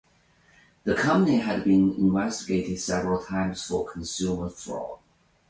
The company had been investigated several times for consumer fraud.